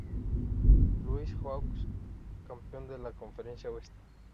Louis Hawks, campeón de la Conferencia Oeste.